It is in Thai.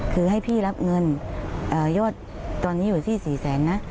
คือให้พี่รับเงินยอดตอนนี้อยู่ที่๔แสนนะ